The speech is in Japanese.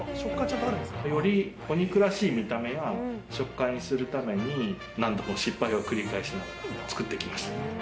よりお肉らしい見た目や食感にするために、何度も失敗を繰り返しながら作ってきました。